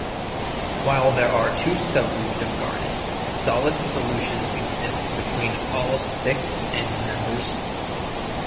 While there are two subgroups of garnet, solid solutions exist between all six end-members.